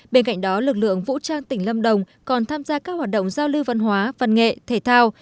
bên cạnh đó lực lượng vũ trang tỉnh lâm đồng còn tham gia các hoạt động giao lưu văn hóa văn nghệ thể thao